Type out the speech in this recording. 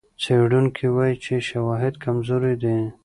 څېړونکي وايي چې شواهد کمزوري دي.